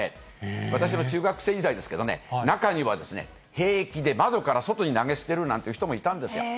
私の中学生時代ですけどね、中には平気で窓から外に投げ捨てるなんて人もいたんですよ。